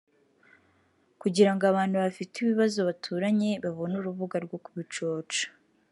kugira ngo abantu bafite ibibazo baturanye babone urubuga rwo kubicoca